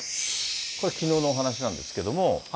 これ、きのうのお話なんですけども。